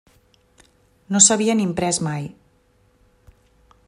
No s’havien imprès mai.